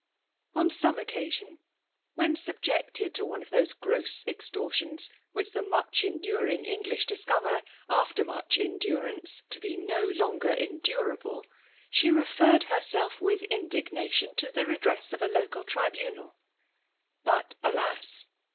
On some occasion, when subjected to one of those gross extortions which the much^endop ing English discover, after much endurance, to be no longer endurable, she referred herself with indignation to the redress of a local tii* bunaL But alas